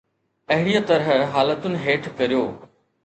اهڙيءَ طرح حالتن هيٺ ڪريو.